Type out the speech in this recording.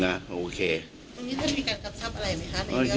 วันนี้มันมีการกรรมชัพอะไรไหมคะ